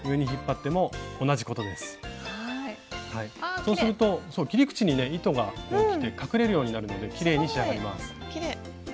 そうすると切り口に糸がきて隠れるようになるのできれいに仕上がります。